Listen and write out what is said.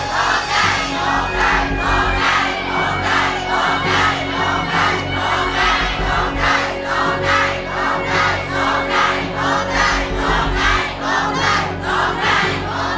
โทษใจโทษใจโทษใจโทษใจ